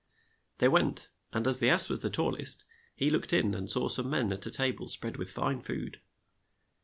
They went, and as the ass was the tall est, he looked in and saw some men at a ta ble spread with fine food.